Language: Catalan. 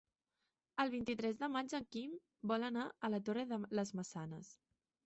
El vint-i-tres de maig en Quim vol anar a la Torre de les Maçanes.